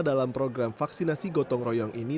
dalam program vaksinasi gotong royong ini